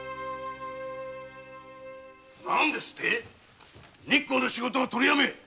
何ですって日光の仕事は取りやめ？